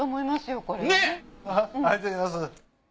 ありがとうございます。